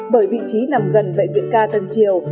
bởi vị trí nằm gần bệnh viện ca tân triều